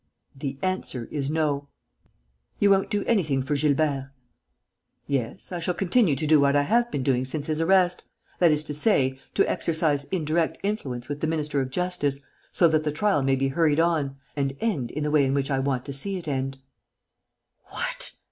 "The answer is no." "You won't do anything for Gilbert?" "Yes, I shall continue to do what I have been doing since his arrest that is to say, to exercise indirect influence with the minister of justice, so that the trial may be hurried on and end in the way in which I want to see it end." "What!"